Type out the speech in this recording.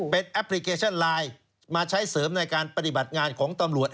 เป็นแอปพลิเคชันไลน์มาใช้เสริมในการปฏิบัติงานของตำรวจ